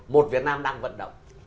một việt nam đang vận động